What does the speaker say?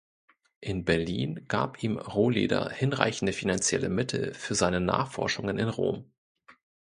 In Berlin gab ihm Rohleder hinreichende finanzielle Mittel für seine Nachforschungen in Rom.